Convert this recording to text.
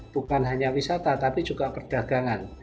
bukan hanya wisata tapi juga perdagangan